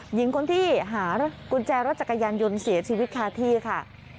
หญิงคนที่หากุญแจรถจักรยานยนต์เสียชีวิตคาที่ค่ะ